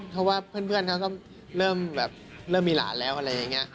เพราะว่าเพื่อนเขาก็เริ่มแบบเริ่มมีหลานแล้วอะไรอย่างนี้